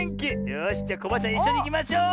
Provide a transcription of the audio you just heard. よしじゃあコバアちゃんいっしょにいきましょう！